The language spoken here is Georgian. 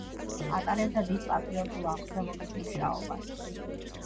ატარებდა დიდ პატრიოტულ აღმზრდელობით მუშაობას.